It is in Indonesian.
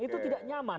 itu tidak nyaman